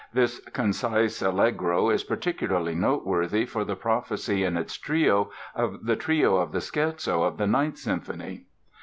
This concise Allegro is particularly noteworthy for the prophecy in its Trio of the Trio of the Scherzo of the Ninth Symphony.